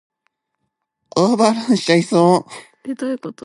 オーバーランしちゃいそう